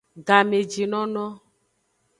Gamejinono.